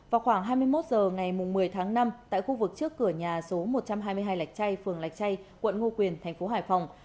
vào khoảng hai mươi một h ngày một mươi tháng năm tại khu vực trước cửa nhà số một trăm hai mươi hai lạch chay phường lạch chay quận ngô quyền thành phố hải phòng